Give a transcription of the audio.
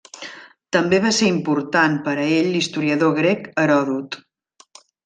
També va ser important per a ell l'historiador grec Heròdot.